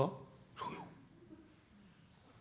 「そうよ」。